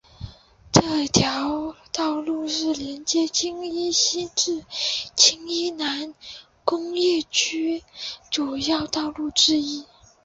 这条道路是连接青衣西至青衣南工业区主要道路之一。